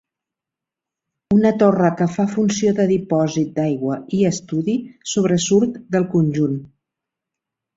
Una torre que fa funció de dipòsit d'aigua i estudi sobresurt del conjunt.